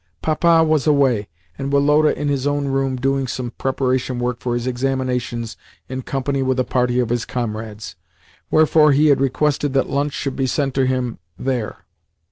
Papa was away, and Woloda in his own room, doing some preparation work for his examinations in company with a party of his comrades: wherefore he had requested that lunch should be sent to him there.